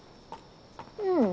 うん？